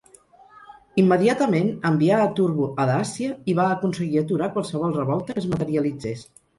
Immediatament envià a Turbo a Dàcia i va aconseguir aturar qualsevol revolta que es materialitzés.